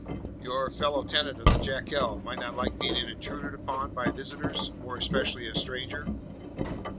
"Your fellow tenant of the jacale might not like being intruded upon by visitors more especially a stranger?"